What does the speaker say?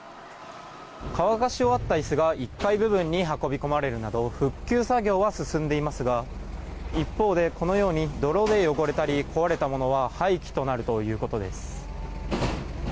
乾かし終わった椅子が１階部分に運び込まれるなど復旧作業は進んでいますが一方で、このように泥で汚れたり、壊れたものは廃棄となるということです。